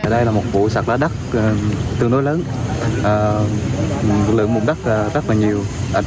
đây là một vụ sạc lá đất tương đối lớn lượng mụn đất rất là nhiều